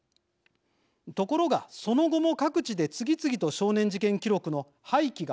ところがその後も各地で次々と少年事件記録の廃棄が判明します。